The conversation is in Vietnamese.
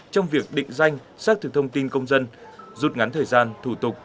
trong việc định danh xác thực thông tin công dân rút ngắn thời gian thủ tục